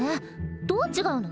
どう違うの？